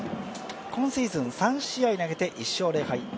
今シーズン３試合投げて１勝０敗。